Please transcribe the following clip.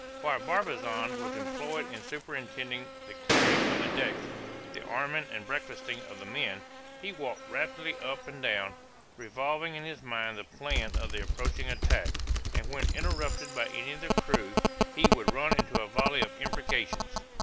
While Barbazan was employed in superintending the clearing of the decks, the arming and breakfasting of the men, he walked rapidly up and down, revolving in his mind the plan of the approaching attack, and when interrupted by any of the crew, he would run into a volley of imprecations.